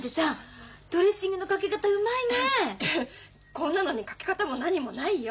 こんなのにかけ方も何もないよ。